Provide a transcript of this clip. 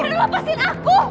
reno lepasin aku